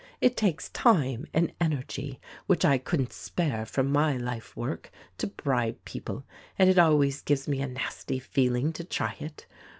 It takes time and energy — which I couldn't spare from my life work — to bribe people ; and it always gives me a nasty feeling to try it.